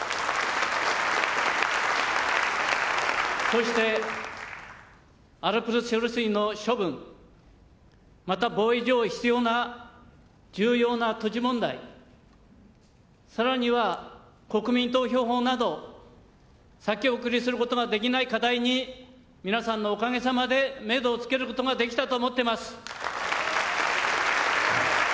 そして、アルプス処理水の処分、また防衛上必要な重要な土地問題、さらには、国民投票法など、先送りすることができない課題に、皆さんのおかげさまで、メドをつけることができたと思ってます。